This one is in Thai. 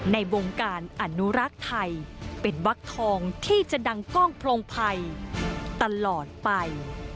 ในวงการอนุรักษ์ไทยเป็นวักทองที่จะดังกล้องโพรงภัยตลอดไป